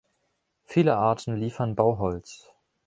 Viele Arten liefern Bauholz.